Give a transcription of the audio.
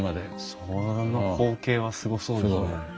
その光景はすごそうですね。